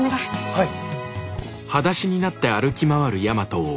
はい。